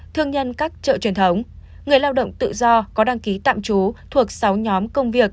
thương nhân các chợ truyền thống người lao động tự do có đăng ký tạm trú thuộc sáu nhóm công việc